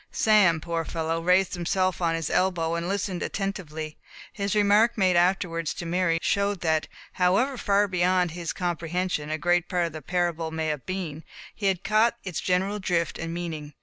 Sam, poor fellow, raised himself on his elbow, and listened attentively; his remark made afterwards to Mary, showed that, however far beyond his comprehension a great part of the parable may have been, he had caught its general drift and meaning.